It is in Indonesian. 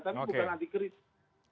tapi bukan anti kritik